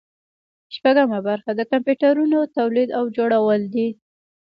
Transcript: شپږمه برخه د کمپیوټرونو تولید او جوړول دي.